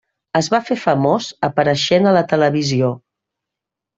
Es va fer famós apareixent a la televisió.